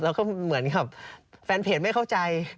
แล้วก็เหมือนกับแฟนเพจไม่เข้าใจ